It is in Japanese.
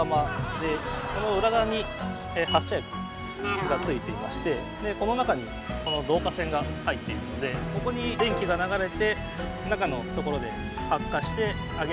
この裏側に発射薬がついていましてでこの中にこの導火線が入っているのでここに電気が流れて中のところで発火して上げ